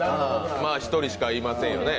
１人しかいませんよね。